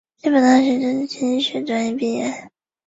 杂讯的能量一般不会太大。